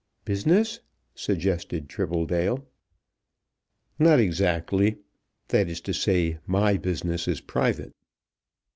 "Business?" suggested Tribbledale. "Not exactly. That is to say, my business is private."